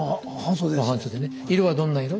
色はどんな色？